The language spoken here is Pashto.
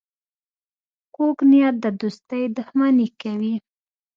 کوږ نیت د دوستۍ دښمني کوي